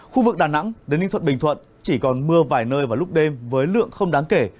khu vực đà nẵng đến ninh thuận bình thuận chỉ còn mưa vài nơi vào lúc đêm với lượng không đáng kể